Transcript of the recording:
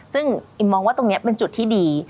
ซึ่งอิมมองว่าตรงนี้เป็นจุดที่ดี